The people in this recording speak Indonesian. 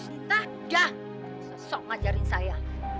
entah dah sesok ngajarin saya